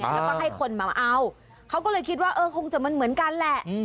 แล้วก็ให้คนมาเอาเขาก็เลยคิดว่าเออคงจะมันเหมือนกันแหละ